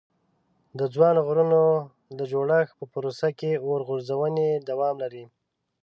د ځوانو غرونو د جوړښت په پروسه کې اور غورځونې دوام لري.